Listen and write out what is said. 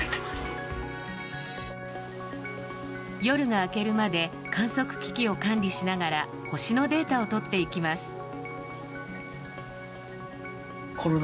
夜が明けるまで観測機器を管理しながら星のデータをとっていきます。